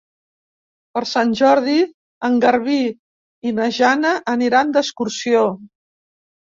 Per Sant Jordi en Garbí i na Jana aniran d'excursió.